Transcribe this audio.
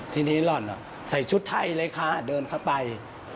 ทีนี้หล่อนใส่ชุดไทยเลยค่ะเดินเข้าไป